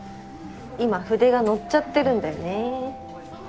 いま筆が乗っちゃってるんだよね。